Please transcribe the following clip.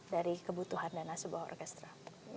dari kebutuhan dana sebuah orkestra